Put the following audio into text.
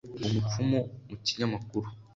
umupfumu mu kinyamakuru